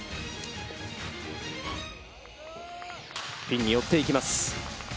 ピンに寄っていきます。